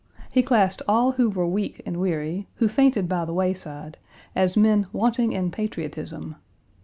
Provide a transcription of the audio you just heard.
He classed all who were weak and weary, who fainted by the wayside, as men wanting in patriotism.